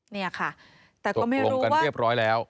นี่ค่ะแต่ก็ไม่รวมกันเรียบร้อยแล้ว